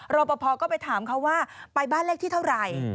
รอปภก็ไปถามเขาว่าไปบ้านเลขที่เท่าไหร่